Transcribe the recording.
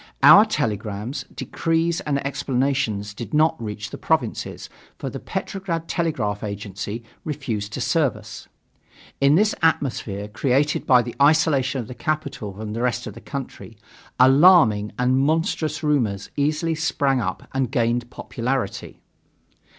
Our telegrams, decrees and explanations did not reach the provinces, for the Petrograd Telegraph Agency refused to serve us. In this atmosphere, created by the isolation of the capital from the rest of the country, alarming and monstrous rumors easily sprang up and gained popularity.